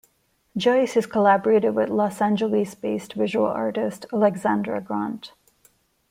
Joyce has collaborated with Los Angeles-based visual artist Alexandra Grant.